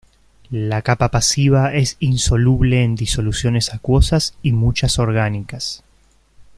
La capa pasiva es insoluble en disoluciones acuosas y muchas orgánicas.